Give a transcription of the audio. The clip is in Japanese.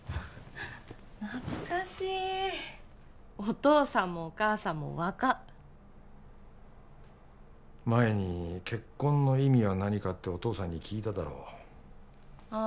懐かしいお父さんもお母さんも若っ前に結婚の意味は何かってお父さんに聞いただろあ